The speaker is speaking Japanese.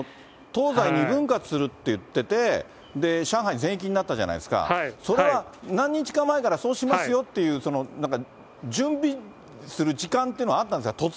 東西２分割するっていってて、上海全域になったじゃないですか、それは何日か前からそうしますよっていう、準備する時間っていうのはあったんですか？